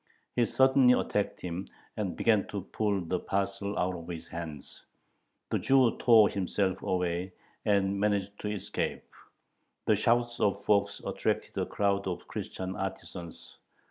He suddenly attacked him, and began to pull the parcel out of his hands. The Jew tore himself away, and managed to escape. The shouts of Fox attracted a crowd of Christian artisans.